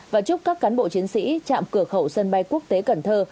và chúc các cán bộ chiến sĩ trạm cửa khẩu sân bay quốc tế cần thơ